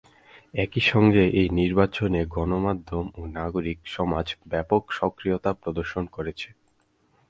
একই সঙ্গে এই নির্বাচনে গণমাধ্যম ও নাগরিক সমাজ ব্যাপক সক্রিয়তা প্রদর্শন করেছে।